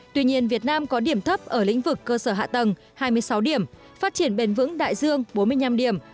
tuy nhiên việt nam có điểm thấp ở lĩnh vực cơ sở hạ tầng hai mươi sáu điểm phát triển bền vững đại dương bốn mươi năm điểm